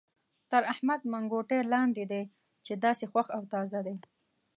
تر احمد منګوټی لاندې دی چې داسې خوښ او تازه دی.